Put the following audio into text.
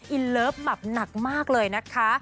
อินเลิฟแบบหนักมากเลยนะคะ